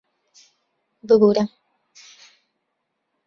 ببوورە...